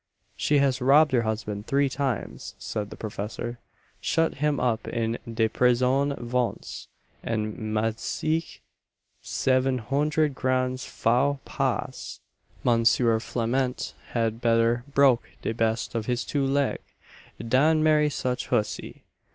"She has robbed her husband three times," said the professor, "shut him up in de prisonne vonce, and made seex, seven hondred grands faux pas! Monsieur Flament had better broke de best of his two leg, dan marry such hussey!